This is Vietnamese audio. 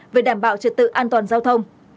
về đảm bảo trật tự an toàn giao thông